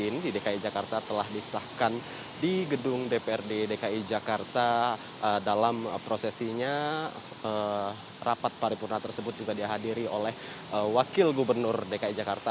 di dki jakarta telah disahkan di gedung dprd dki jakarta dalam prosesinya rapat paripurna tersebut juga dihadiri oleh wakil gubernur dki jakarta